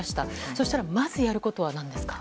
そうしたらまずやることは何ですか？